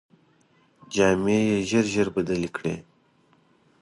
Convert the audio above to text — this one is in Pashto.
جامې یې ژر ژر بدلې کړې.